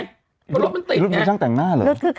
ดิหรุดปะช่างแต่งหน้าเหรอ